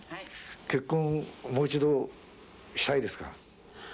結婚、もう一度したいですか？